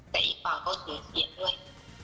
แต่อีกฝั่งก็ฝ่าสนุนเสียด้วย